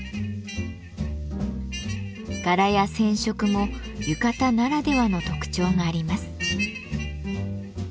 柄や染色も浴衣ならではの特徴があります。